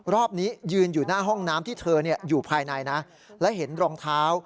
รอบนี้ยืนอยู่หน้าห้องน้ำที่เธออยู่ภายในนะและเห็นรองเท้า